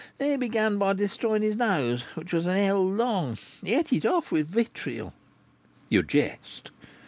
"He began by destroying his nose, which was an ell long; he ate it off with vitriol." "You jest."